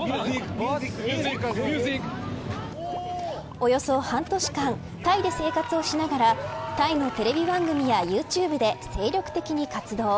およそ半年間タイで生活をしながらタイのテレビ番組やユーチューブで精力的に活動。